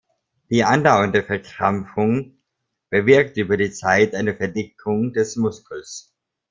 Die andauernde Verkrampfung bewirkt über die Zeit eine Verdickung des Muskels.